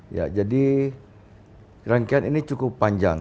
ya jadi rangkaian ini cukup panjang